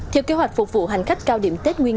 theo kế hoạch phục vụ hành khách cao điểm tết nguyên